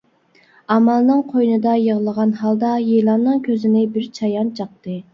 ئامالنىڭ قوينىدا يىغلىغان ھالدا، يىلاننىڭ كۆزىنى بىر چايان چاقتى.